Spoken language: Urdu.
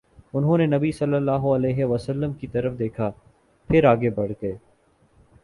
انھوں نے نبی صلی اللہ علیہ وسلم کی طرف دیکھا، پھر آگے بڑھ گئے